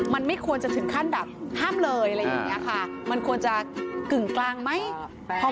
มันไม่ควรจะถึงขั้นดับห้ามเลยอะไรอย่างนี้ค่ะ